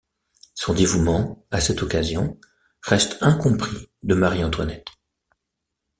Son dévouement, à cette occasion, reste incompris de Marie-Antoinette.